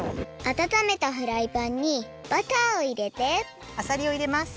あたためたフライパンにバターをいれてあさりをいれます。